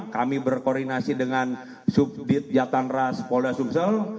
kami berkoordinasi dengan subjatan ras polda sumsel